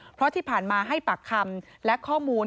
เพราะที่ผ่านมาให้ปากคำและข้อมูล